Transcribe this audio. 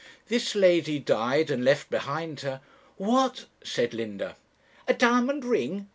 "This lady died and left behind her " 'What?' said Linda. 'A diamond ring?'